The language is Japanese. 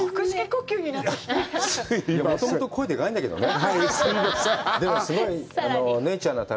もともと声でかいんだけどね。